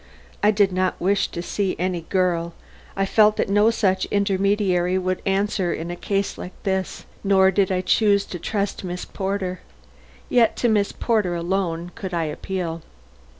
I did not wish to see any girl. I felt that no such intermediary would answer in a case like this. Nor did I choose to trust Miss Porter. Yet to Miss Porter alone could I appeal.